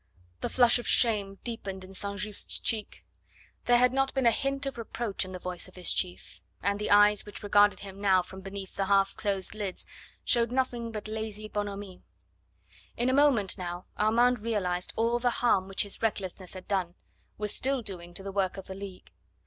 The flush of shame deepened in St. Just's cheek. There had not been a hint of reproach in the voice of his chief, and the eyes which regarded him now from beneath the half closed lids showed nothing but lazy bonhomie. In a moment now Armand realised all the harm which his recklessness had done, was still doing to the work of the League.